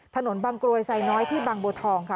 บางกรวยไซน้อยที่บางบัวทองค่ะ